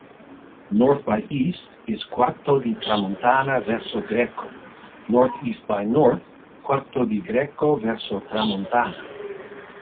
North-by-east is "Quarto di Tramontana verso Greco", northeast-by-north "Quarto di Greco verso Tramontana".